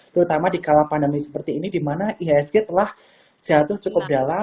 terutama di kala pandemi seperti ini di mana ihsg telah jatuh cukup dalam